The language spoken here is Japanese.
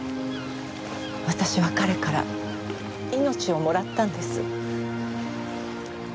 私は彼から命をもらったんです。